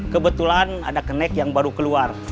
kebetulan ada kenek yang baru keluar